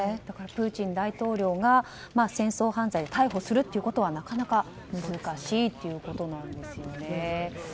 プーチン大統領を戦争犯罪で逮捕するということは、なかなか難しいということなんですね。